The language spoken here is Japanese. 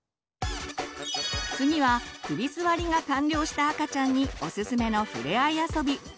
次は首すわりが完了した赤ちゃんにおすすめのふれあい遊び。